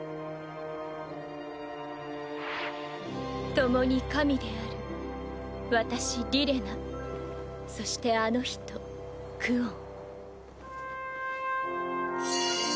ともに神である私リレナそしてあの人クオン。